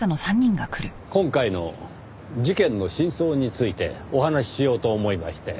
今回の事件の真相についてお話ししようと思いまして。